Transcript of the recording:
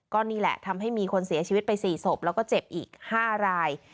ก็นี่แหละทำให้มีคนเสียชีวิตไป๔ศพแล้วก็เจ็บอีก๕ราย